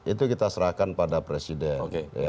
itu kita serahkan pada presiden